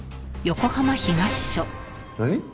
何？